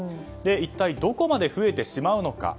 一体どこまで増えてしまうのか。